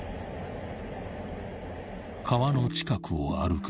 ［川の近くを歩く